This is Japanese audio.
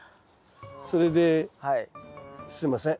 それですいません。